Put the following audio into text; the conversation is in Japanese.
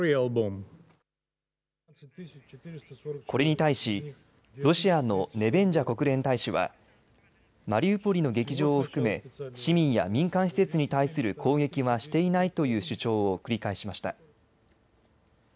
これに対しロシアのネベンジャ国連大使はマリウポリの劇場を含め市民や民間施設に対する攻撃はしていないという主張を繰り返しました。